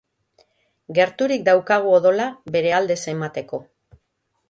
Gerturik daukagu odola bere aldez emateko